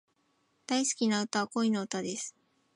大好きな曲は、恋の歌です。